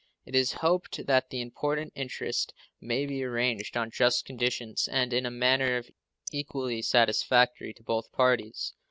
It is hoped that this important interest may be arranged on just conditions and in a manner equally satisfactory to both parties.